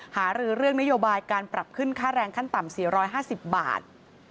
หารือเรื่องนโยบายการปรับขึ้นค่าแรงขั้นต่ำ๔๕๐บาท